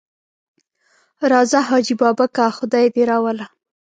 راځه حاجي بابکه خدای دې راوله.